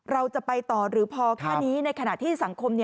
เราจะไปต่อหรือพอแค่นี้ในขณะที่สังคม